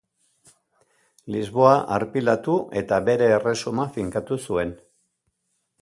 Lisboa arpilatu eta bere erresuma finkatu zuen.